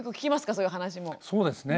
そうですね